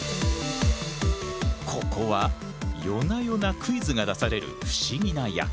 ここは夜な夜なクイズが出される不思議な館。